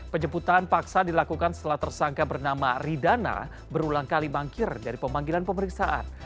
penjemputan paksa dilakukan setelah tersangka bernama ridana berulang kali mangkir dari pemanggilan pemeriksaan